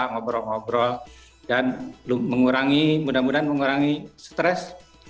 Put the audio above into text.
ngobrol ngobrol dan mengurangi mudah mudahan mengurangi stres